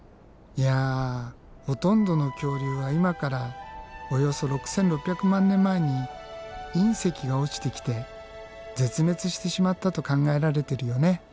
いやほとんどの恐竜は今からおよそ６，６００万年前に隕石が落ちてきて絶滅してしまったと考えられてるよね。